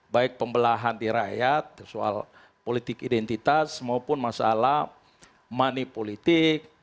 baik pembelahan dirakyat soal politik identitas maupun masalah money politics